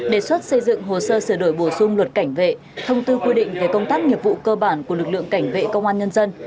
đề xuất xây dựng hồ sơ sửa đổi bổ sung luật cảnh vệ thông tư quy định về công tác nghiệp vụ cơ bản của lực lượng cảnh vệ công an nhân dân